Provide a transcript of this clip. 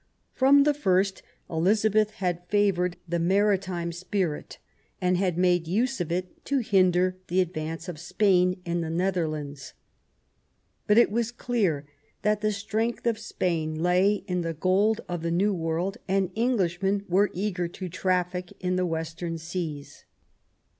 From the first Elizabeth had favoured the maritime spirit, and had made use of it to hinder the advance of Spain in the Netherlands. But it was clear that the strength of Spain lay in the gold of the New World, and English men were eager to traffic in the Western Seas.